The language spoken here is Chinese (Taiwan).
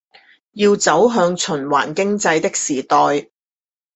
更要走向循環經濟的時代